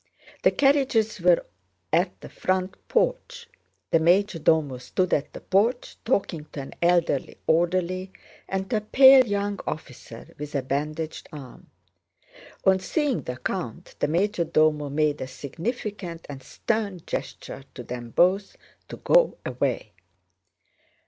The carriages were at the front porch. The major domo stood at the porch talking to an elderly orderly and to a pale young officer with a bandaged arm. On seeing the count the major domo made a significant and stern gesture to them both to go away.